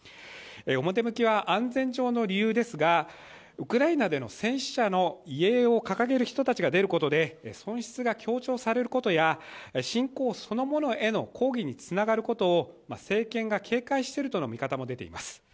表向きは安全上の理由ですが、ウクライナでの戦争の戦死者の遺影を掲げることで損失が強調されることや、侵攻そのものへの抗議につながることを政権が警戒しているとの見方も出ています。